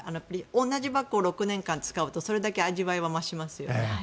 同じバックを６年間使うとそれだけ味わいは増しますよね。